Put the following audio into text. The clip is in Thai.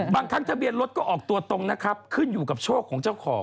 ทั้งทะเบียนรถก็ออกตัวตรงนะครับขึ้นอยู่กับโชคของเจ้าของ